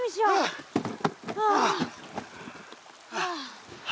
はあはあ。